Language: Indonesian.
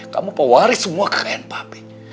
kamu pewaris semua kekayaan pabrik